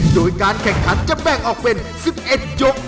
โดยการแข่งขันจะแบ่งออกเป็น๑๑ยก